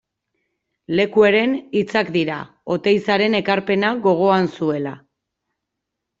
Lekueren hitzak dira, Oteizaren ekarpena gogoan zuela.